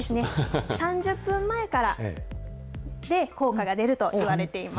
３０分前からで効果が出るといわれています。